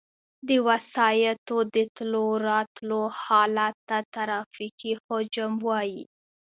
د وسایطو د تلو راتلو حالت ته ترافیکي حجم وایي